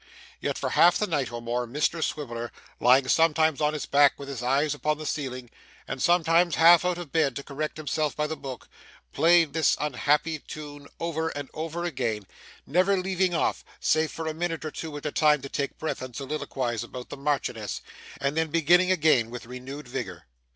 Yet, for half the night, or more, Mr Swiveller, lying sometimes on his back with his eyes upon the ceiling, and sometimes half out of bed to correct himself by the book, played this unhappy tune over and over again; never leaving off, save for a minute or two at a time to take breath and soliloquise about the Marchioness, and then beginning again with renewed vigour.